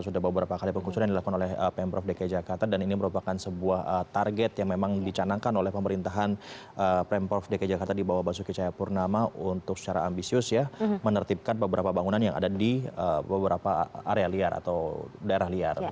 sudah beberapa kali penggusuran dilakukan oleh pemprov dki jakarta dan ini merupakan sebuah target yang memang dicanangkan oleh pemerintahan pemprov dki jakarta di bawah basuki cahayapurnama untuk secara ambisius ya menertibkan beberapa bangunan yang ada di beberapa area liar atau daerah liar